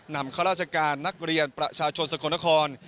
ข้าราชการนักเรียนประชาชนสกลนคร